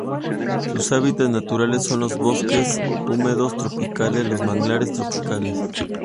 Sus hábitats naturales son los bosques húmedos tropicales, los manglares tropicales.